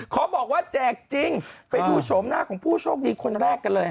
เขาบอกว่าแจกจริงไปดูโฉมหน้าของผู้โชคดีคนแรกกันเลย